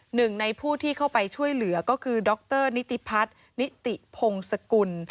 หนึ่งในผู้ที่เข้าไปช่วยเหลือก็คือดรนิติพัฒน์นิติพงศกุล